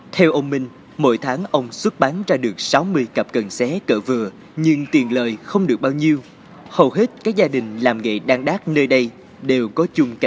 theo ông minh mỗi tháng là một ngày đàn đá cận xé bằng trẻ trúc xuyên suốt quanh năm ở làng nghề phước quấy